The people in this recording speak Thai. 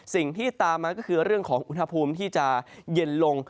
สิ่งที่ตามมาก็คือเรื่องของอุณหภูมิที่จะเย็นลง